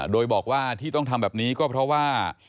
โดยบอกว่าที่ต้องทำแบบนี้ก็เพราะว่า